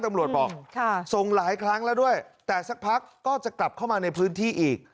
ตำรวจบอกส่งหลายครั้งแล้วด้วยแต่สักพักก็จะกลับเข้ามาในพื้นที่อีก